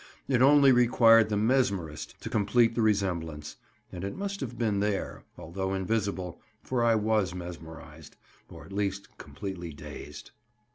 It only required the mesmerist to complete the resemblance; and he must have been there, although invisible, for I was mesmerized, or at least completely dazed.